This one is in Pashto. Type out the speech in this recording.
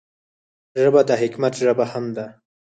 ژبه د حکمت ژبه هم ده